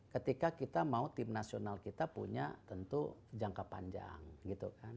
ketika kita mau tim nasional kita punya tentu jangka panjang gitu kan